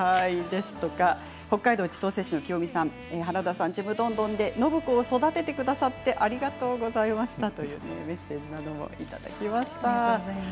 北海道の方は原田さん「ちむどんどん」で暢子を育ててくださってありがとうございましたというメッセージもいただきました。